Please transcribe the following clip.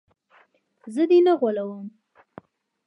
زه دې نه غولوم.